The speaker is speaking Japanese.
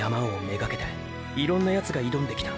めがけていろんなヤツが挑んできた。